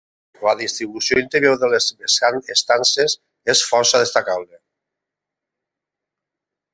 La distribució interior de les estances és força destacable.